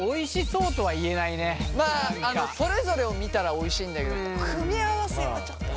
まあそれぞれを見たらおいしいんだけど組み合わせがちょっとね。